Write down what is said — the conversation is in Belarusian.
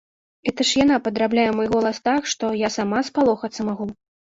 Гэта ж яна падрабляе мой голас так, што я сама спалохацца магу.